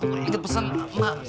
gue lanjut pesen mbak